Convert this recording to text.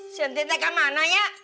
si ente teh kemana ya